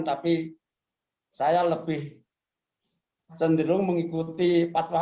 tapi saya lebih cenderung mengikuti fatwa mui